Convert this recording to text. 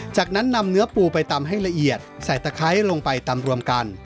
จากนั้นนำเนื้อปูไปตำให้ละเอียดใส่ตะไคร้ลงไปตำรวมกัน